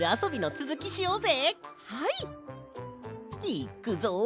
いっくぞ！